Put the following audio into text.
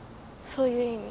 そういう意味